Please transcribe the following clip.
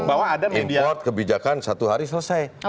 import kebijakan satu hari selesai